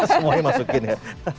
semuanya masukin ya